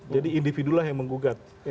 jadi individu lah yang menggugat